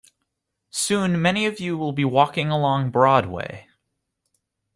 Soon many of you will be walking along Broadway.